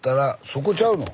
そこちゃうの？